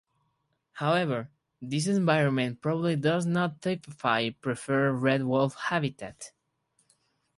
However, this environment probably does not typify preferred red wolf habitat.